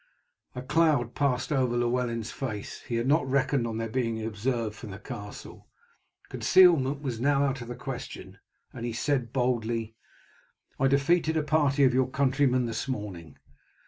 A cloud passed over Llewellyn's face. He had not reckoned on their being observed from the castle. Concealment was now out of question, and he said boldly: "I defeated a party of your countrymen this morning.